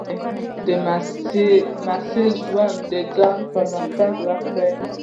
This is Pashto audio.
د محصل ژوند د ځان پرمختګ وخت دی.